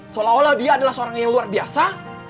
seolah olah dia adalah seorang yang luar biasa